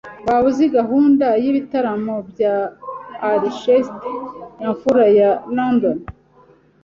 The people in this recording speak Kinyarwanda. Waba uzi gahunda y'ibitaramo bya Orchestre Symphony ya London?